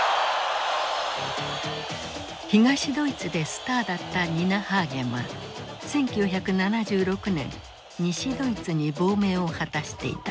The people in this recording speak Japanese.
東ドイツでスターだったニナ・ハーゲンは１９７６年西ドイツに亡命を果たしていた。